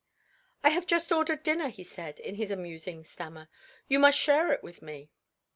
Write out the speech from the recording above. "I have just ordered dinner," he said, in his amusing stammer, "you must share it with me."